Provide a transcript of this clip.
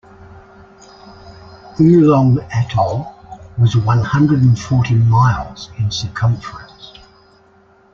Oolong Atoll was one hundred and forty miles in circumference.